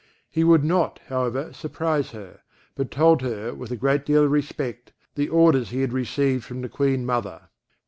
He would not, however, surprise her, but told her, with a great deal of respect, the orders he had received from the Queen mother.